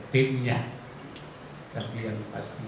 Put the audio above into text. timnya tapi yang pasti